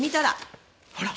ほら